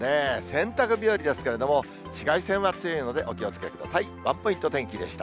洗濯日和ですけれども、紫外線は強いので、お気をつけください。